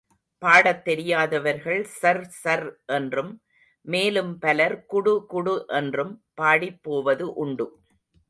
பாடத் தெரியாதவர்கள் சர் சர் என்றும், மேலும் பலர் குடுகுடு என்றும் பாடிப் போவது உண்டு.